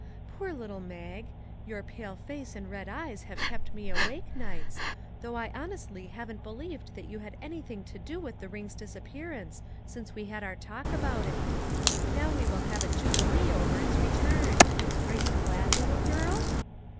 Poor little Mag! your pale face and red eyes have kept me awake nights, though I honestly haven't believed that you had anything to do with the ring's disappearance since we had our talk about it. Now we will have a jubilee over its return. Are you glad, little girl?"